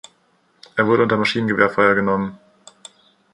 Es wurde unter Maschinengewehrfeuer genommen.